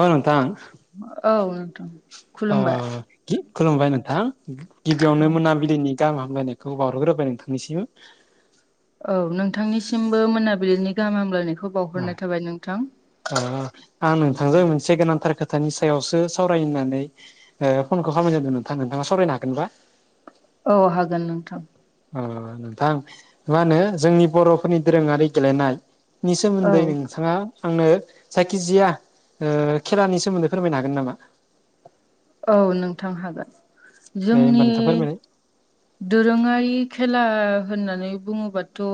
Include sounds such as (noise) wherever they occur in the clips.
ओ नोंथां। औ नोंथां ओ खुलुमबाय गि खुलुमबाय नोंथां गिबियावनो मोनाबि लिनि गाहाम हामलायनायखौ बावहरग्रोबाय नोंथांनिसिम औ नोंथांनिसिमबो मोनाबिलिनि गाहाम हामलायनायखौ बावहरनाय थाबाय नोंथां। ओ आं नोंथांजों मोनसे गोनांथार खोथानि सायावसो सावरायनो होननानै ओ फनखौ खालामाय जादों नोंथां नोंथाङा सावरायनो हागोनबा? औ हागोन नोंथां अ नोंथां मा होनो जोंनि बर'फोरनि दोरोङारि गेलेनाय नि सोमोनदै नों नोंथाङा आंनो जायखिजाया खेलानि सोमोन्दै फोरमायनो हागोन नामा। औ नोंथां हागोन होमबा जोंनि नोंथां फोरमायलाय दोरोङारि खेला होननानै बुङोबाथ'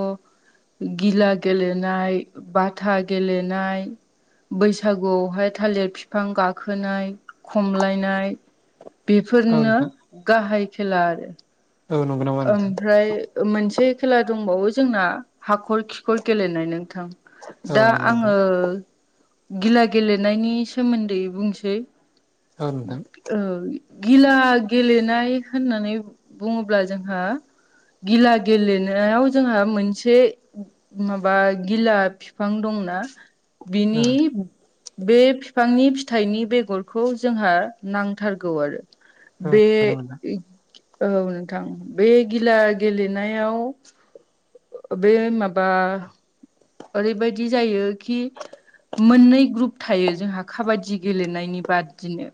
गिला गेलेनाय बाथा गेलेनाय बैसागुआवहाय थालिर बिफां गाखोनाय खमलायनाय औ बेफोरनो नोंथां गाहाय खेला आरो। औ नंगौ नामा नोंथां ओमफ्राय मोनसे खेला दंबावो जोंना हाखर खिखर गेलेनाय नोंथां। औ दा नंगौ नोंथां आङो गिला गेलेनायनि सोमोन्दै बुंसै औ नोंथां औ गिला गेलेनाय होननानै बुङोब्ला जोंहा गिला गेलेनायाव जोंहा मोनसे माबा गिला बिफां दंना औ बिनि बे बिफांनि फिथाइनि बेगरखौ जोंहा नांथारगौ आरो औ बे नंगौ नामा नोंथां औ नोंथां बे गिला गेलेनायाव बे माबा ओरैबायदि जायो खि मोननै ग्रुप थायो जोंहा खाबादि गेलेनायनि बादिनो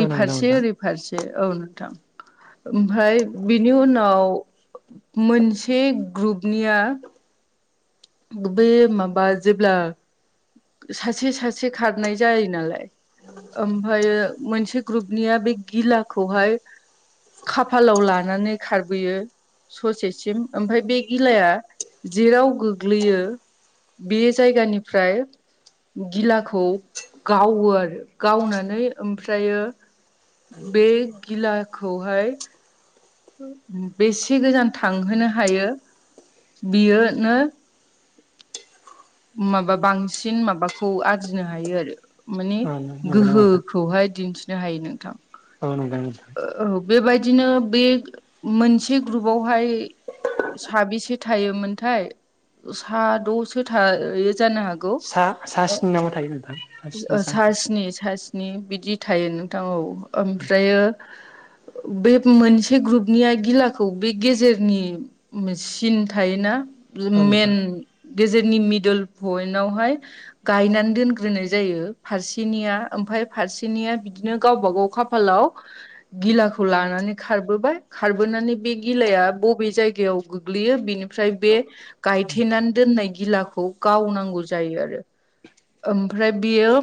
औ नंगौ नामा फारसे नोंथां ओरै फारसे औ नोंथां। ओमफ्राय बिनि उनाव मोनसे ग्रुपनिया बे माबा जेब्ला सासे सासे खारनाय जायो नालाय ओमफ्रायायो मोनसे ग्रुपनिया बे गिलाखौहाय खाफालाव लानानै खारबोयो ससेसिम ओमफ्राय बे गिलाया जेराव गोग्लैयो बे जायगानिफ्राय गिलाखौ गावो आरो गावनानै ओमफ्रायो बे गिलाखौहाय बेसे गोजान थांहोनो हायो बियोनो माबा बांसिन माबाखौ आरजिनो हायो आरो। माने औ नंगौ नामा नोंथां गोहोखौहाय दिन्थिनो हायो नोंथां। औ नुबाय नोंथां। औ बेबायदिनो बे मोनसे ग्रुपावहाय साबेसे थायोमोनथाय साद'सो थायो जानो हागो सा सा स्नि नामा थायो नोंथां सा स्नि गौ सा स्नि सा स्नि नि बिदि थायो नोंथां औ ओमफ्रायो बे मोनसे ग्रुपनिया गिलाखौ बे गेजेरनि सिन थायोना बे औ नोंथां मेन गेजेरनि मिडोल पइन्टवहाय गायनानै दोनग्रोनाय जायो फारसेनिया ओमफफ्राय फारसेनिया बिदिनो गावबा गाव खाफालाव (inaudible) गिलाखौ लानानै खारबोबाय खारबोनानै बे गिलाया बबे जायगायाव गोग्लैयो बिनिफ्राय बे गायथेनानै दोननाय गिलाखौ गावनांगौ जायो आरो‌ ओमफ्राय बेयो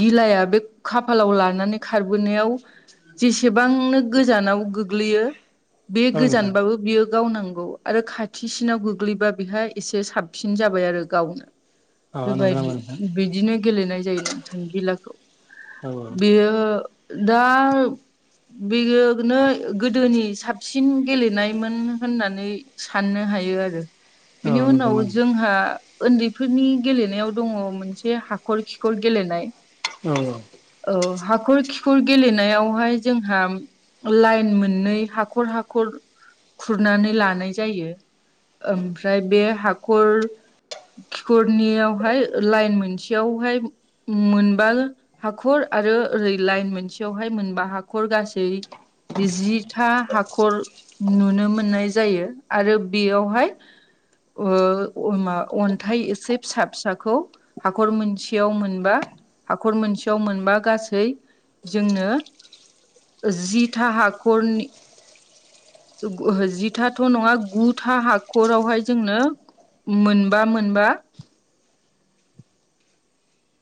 गिलाया बे खाप फालाव लानानै खारबोनायाव जेसेबांनो गोजानाव गोग्लैयो बे औ नोंथां गोजानबाबो बियो गावनांगौ आरो खाथिसिनाव गोग्लैबा बेहा एसे साबसिन जाबाय आरो गावनो औ नंगौ नामा बेबायदि नोंथां बिदिनो गेलेनाय जायो नोंथां गिलाखौ औ बेयो दा बेयोनो गोदोनि साबसिन गेलेनायमोन होननानै साननो हायो आरो। (inaudible) बिनि उनाव नामा नोंथां? जोंहा उन्दैफोरनि गेलेनायाव दङ मोनसे हाखर खिखर गेलेनाय। औ औ हाखर खिखर गेलेनायावहाय जोंहा लाइन मोननै हाखर हाखर खुरनानै लानाय जायो ओमफ्राय बे हाखर खिखरनियावहाय लाइन मोनसेयावहाय मोनबा हाखर आरो ओरै लाइन मोनसेयावहाय मोनबा हाखर गासै जिथा हाखर नुनो मोननाय जायो आरो बेयावहाय ओ मा अन्थाइ एसे फिसा फिसाखौ हाखर मोनसेयाव मोनबा हाखर मोनसे याव मोनबा गासै जोंनो जिथा हाखरनि जिथाथ' नङा गुथा हाखरावहाय जोंनो मोनबा मोनबा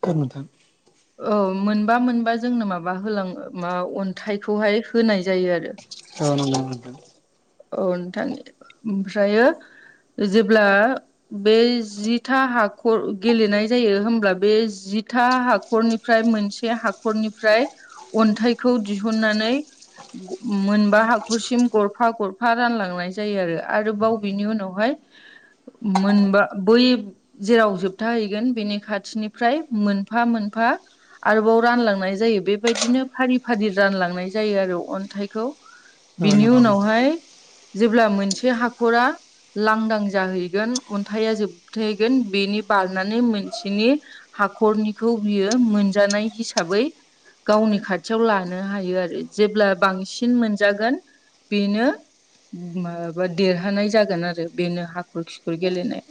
औ नोंथां औ मोनबा मोनबा जोंनो माबा होलां मा अन्थाइखौहाय होनाय जायो आरो। औ नंगौ नोंथां औ नोंथांनि ओमफ्राय जेब्ला बे जिथा हाखर गेलेनाय जायो होमब्ला बे जिथा हाखरनि फ्राय मोनसे हाखरनिफ्राय अन्थाइखौ दिहुननानै मोनबा हाखरसिम गरफा गर फा रानलांनाय जायो आरो आरो बाव बेनि उनावहाय मोनबा बै जेराव जोबथाहैगोन बेनि खाथिनिफ्राय मोनफा मोनफा आरोबाव रानलांनाय जायो बेबायदिनो फारि फारि रानलांनाय जायो आरो अन्थाइखौ बिनि उनावहाय जेब्ला मोनसे हाखरा लांदां जाहैगोन अन्थाइा जोबथैगोन बेनि बारनानै मोनसेनि हाखरनिखौ बियो मोनजानाय हिसाबै गावनि खाथियाव लानो हायो आरो जेब्ला बांसिन मोनजागोन बेनो माबाबा देरहानाय जागोन आरो बेनो हाखर खिखुर गेलेनाय।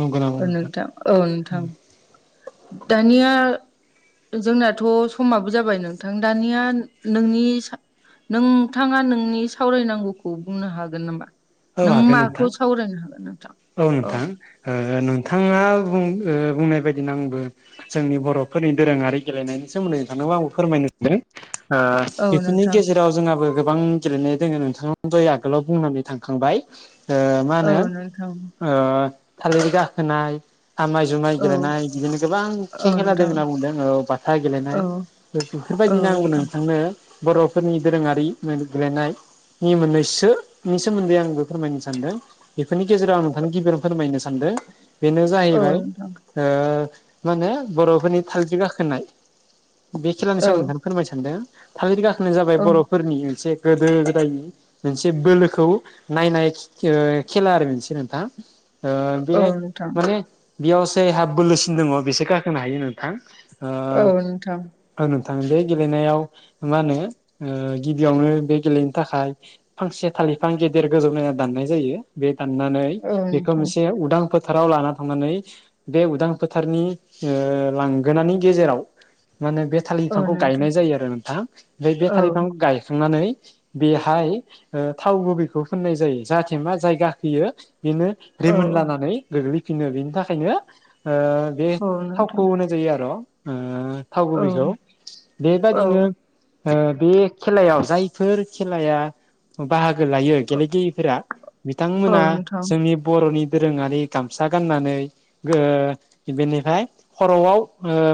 नंगौ नामा औ नोंथां औ नोंथां दानिया जोंनाथ' समाबो जाबाय नोंथां दानिया नोंनि नोंथाङा नोंनि सावरायनांगौ खौ बुंनो हागोन नामा औ नों हागोन माखौ नोंथां सावरायनो हागोन नोंथां औ नोंथां नोंथाङा बुंनाय बायदिनो आंबो जोंनि बर'फोरनि दोरोङारि गेलेनायनि सोमोन्दै नोंथांनोबो आंबो फोरमायनो सानदों औ बेफोरनि नोंथां गेजेराव जोंहाबो गोबां गेलेनाय दङो नोंथां जय आगोलाव बुंनानै थांखांबाय ओ मा होनो औ नोंथां ओ थालिर गाखोनाय आमाय जुमाइ औ गेलेनाय बिदिनो गोबां औ खे-खेला द नोंथां होनना बुंदों औ बाथा गेलेनाय औ औ बेफोरबायदिनो आंबो नोंथां नोंथांनो बर'फोरनि दोरोङारि गेलेनाय नि मोननैसोनि सोमोन्दै आं बे फोरमायनो सानदों बेफोरनि गेजेराव आं गिबियावनो फोरमायनो सानदों बेनो औ जाहैबाय नोंथां मा होने बर'फोरनि थालिर गाखोनाय बे खेलानि औ सोमोन्दैथनो फोरमाय सानदों। थालिर गाखोनाया जाबाय औ बर'फोरनि मोनसे गोदो गोदाय मोनसे बोलोखौ नायनाय खेला आरो मोनसे नोंथां। ओ बे नोंथां औ नोंथां माने बेयाव जायहा बोलोसिन दङ बेसो गाखोनो हायो नोंथां। औ ओ नोंथां। औ नोंथां बे गेलेनायाव मा होनो गिबियावनो बे गेलेनो थाखाय फांसे थालिर बिफां गेदेर गोजौ नायना दाननाय जायो। बे दाननानै बेखौ मोनसे उदां फोथाराव लाना थांनानै बे उदां फोथारनि लांगोनानि गेजेराव मा होनो बे थालिर औ बिफांखौ नोंथां गायनाय जायो आरो नोंथां ओमफ्राय बे औ थालिर बिफांखौ गायखांनानै बेहाय थाव गुबैखौ फुननाय जायो। जाहाथे मा जाय गाखोयो बेनो औ रिमोन लानानै गोग्लैफिनो। बेनि थाखायनो बे औ नोंथां थावखौ होनाय होयो आर' थाव औ गुबैखौ औ बेबादिनो ओ बे खेलायाव जायफोर खेलाया बाहागो लायो गेलेगिरिफोरा औ बिथांमोना नोंथां जोंनि बर'नि दोरोङारि गामसा गाननानै गो बेनिफ्राय खर'आव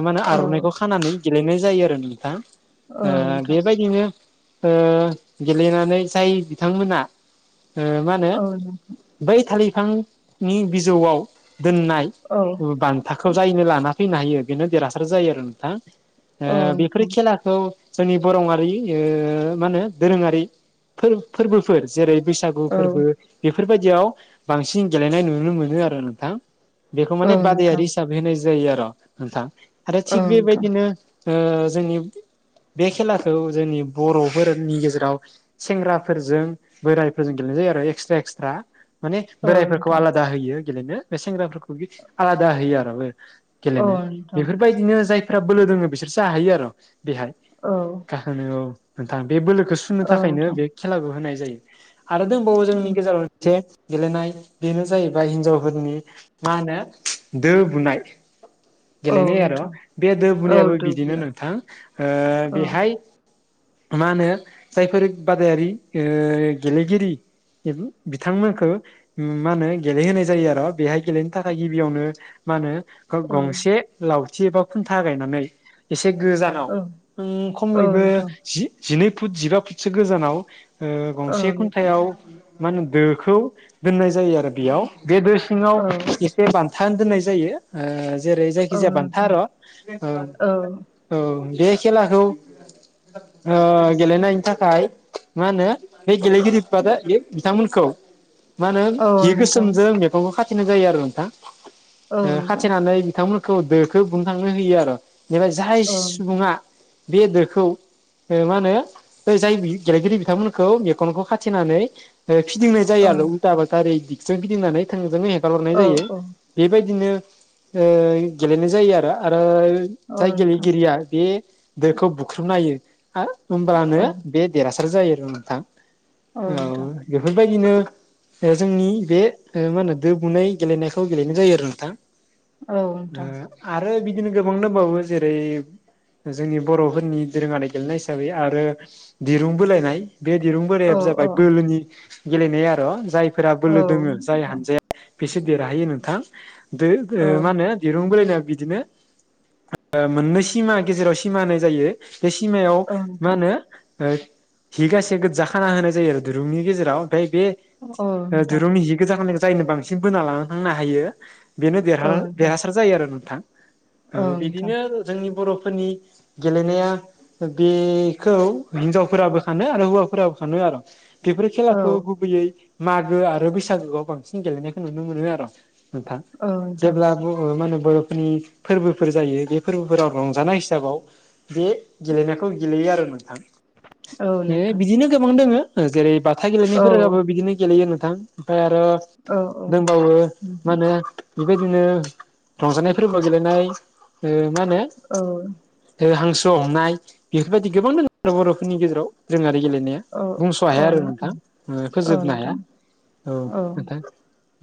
मान होनो औ आर'नाइखौ औ खानानै गेलेनाय जायो आरो नोंथा। ओ ब बे नोंथां बायदिनो गेलेनानै जाय बिथांमोना मा होनो औ नोंथां बै थालिरफांनि बिजौआव दोननाय औ बान थाखोआव जायैनो लाना फैनो हायो बेनो देरहासार जायो आरो नोंथां। औ बेफोर नोंथां खेला खौ जोंनि बरङारि ओ मा होनो दोरोङारि फोर-फोरबोफोर जेरै बैसाग गु औ फोरबो बेफोरबायदियाव बांसिन गेलेनाय नुनो मोनो आरो नोंथां। बेखौ औ माने नोंथां बादायारि हिसाब होनाय जायो आर' नोंथां आरो औ थिग नोंथां बेबायदिनो जोंनि बे खेलाखौ जोंनि बर'फोरनि गेजेराव सेंग्राफोरजों बोरायफोरजों गेलेनाय जायो आरो एक्सट्रा एक्सट्रा। माने औ बोराइफोरखौ नोंथां आलादा होयो गेलेनो बे सेंग्राफोरखौ आलादा होयो आर'। औ गेलेनो नोंथां बेफोरबायदिनो जायफ्रा बोलो दोङो बिसोर जाहैयो आरो बेहाय। औ। मा होनो औ नोंथां बे बोलोखौ सुनो औ थाखायनो नोंथां बे खेलाखौ होनाय जायो। आरो दंबावो जोंनि गेजेराव मोनसे गेलेनाय बेनो जाहैबाय हिन्जावफोरनि मा होनो दो बुनाय। औ गेलेनाय आर' नोंथां बे दो औ बुनायाबो बिदिनो दुब्लिया नोंथां औ बेहाय मा होनो जायफोर बादायारि गेलेगिरि बिथांमोनखो मा होनो गेलेहोनाय जायो आरो बेहाय गेलेनो थाखाय गिबियावनो मा होनो औ ग-गंसे लावथि एबा खुन्था गायनानै एसे गोजानाव औ औ खमैबो नोंथां जि-जिनै फुट, जिबा फुटसो गोजानाव औ गंसे नोंथां खुन्थायाव मा होनो दोखौ दोननाय जायो आरो बेयाव बे दो सिङाव औ बे बान्था होनो दोननाय जायो जेरै औ जायखिजाया बान्था नोंथां आर' औ औ बे खेलाखौ गेलेनायनि थाखाय मा होनो बे गेलेगिरिफोरा दा बिथांमोनखौ मा होनो हि औ नोंथां गोसोमजों मैगंखौ खाथिनाय जायो आरो नोंथां। औ नोंथां औ खाथिनानै बिथांमोन खौ दोखौ बुंखांनो होयो आरो बेनिफ्राय जाय नोंथां सुबुङा बे दोखौ मा होनो बेयै जाय गेलेगिरि बिथांमोनखौ मेखनखौ खाथिनानै फिदिंनाय जायो औ आरो उल्था फाल्था ओरै दिगजों फिदिंनानै थोंजोङै हेगारहरनाय औ जायो। औ बेबायदिनो गेलेनाय जायो आरो। आरो औ जाय नोंथां गेलेगिरिया बे दोखौ बुख्रुबनाय हो होमब्लानो औ बे देरहासार जायो आरो नोंथां औ बेफोरबायदिनो जोंनि बे मा होनो दो बुनाय गेलेनायखौ गेलेनाय जायो आरो नोंथां औ नोंथां आरो बिदिनो गोबां दंबावो जेरै जोंनि बर'फोरनि दोरोङारि गेलेनाय हिसाबै आरो दिरुं बोलायनाय बे दिरुं बोरायाया औ जाबाय औ बोलोनि गेलेनाय आरो' जायफोरा औ बोलो दोङो जाय नोंथां हानजाया बेसे देरहायो नोंथां दो औ ओ मा होनो दिरुं बोलायनाय बिदिनो मोननै सिमा गेजेराव सिमा होनाय जायो। बे सिमायाव मा नोंथां होनो हिगासे गोजा खाना होनाय जायो आरो दिरुंनि गेजेराव ओमफ्राय बे औ ओ नोंथां दिरुंनि जि गोजाखांनायखौ जायनो बांसिन बोना लां थांनो हायो बेनो औ देरहा नोंथां देरहासार जायो आरो नोंथां औ नोंथां बिदिनो जोंनि बर'फोरनि गेलेनाया बेखौ हिनजावफोराबो खानो आरो हौवाफोराबो खानो आरो बेफोर औ खेलाखौ गुबैयै मागो आरो बैसागोआव बांसिन गेलेनायखौ नुनो मोनो आरो नाथा औ नोंथां जेब्ला बुंडो माने बर'फोरनि फोरबोफोर जायो बे फोरबोफोराव रंजानाय हिसाबाव बे गेलेनायखौ गेलेयो आरो नोंथां औ ए नोंथां बिदिनो गोबां दङ जेरै बाथा औ गेलेनायफोराबो बिदिनो गेलेयो नोंथां ओमफ्राय आरो औ दंबावो मा नोंथां होनो बेबायदिनो रंजानायफोरबो गेलेनाय मा होनो औ हांसो हमनाय बेफोरबायदि गोबां द बर'फोरनि गेजेराव दोरोङारि गेलेनाया औ बुंस' हाया औ आरो नोंथां औ फोजोबनो हाया नोंथां औ नोंथां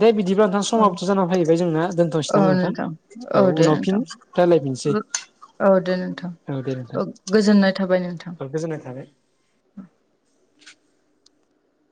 दे बिदिब्ला नोंथां औ समावथ' जानानै फैबाय जोंना दोनथ'सै औ नामा नोंथां औ दे उनाव फिन नोंथां रायलायफिनसै। औ दे नोंथां दे नोंथां औ गोजोननाय थाबाय नोंथां गोजोननाय थाबाय